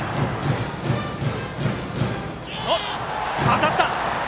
当たった！